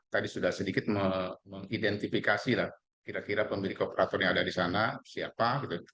tadi sudah sedikit mengidentifikasi lah kira kira pemilik operator yang ada di sana siapa